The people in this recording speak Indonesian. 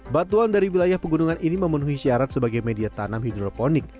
batuan dari wilayah pegunungan ini memenuhi syarat sebagai media tanam hidroponik